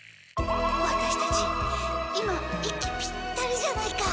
ワタシたち今息ぴったりじゃないか。